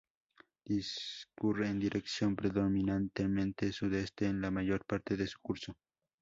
Discurre en dirección predominantemente sudeste en la mayor parte de su curso.